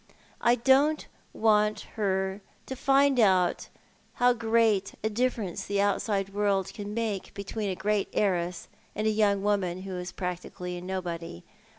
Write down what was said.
I don't want her to find out how great a difference the outside world can make between a great heiress and a young woman who is practically a nobody.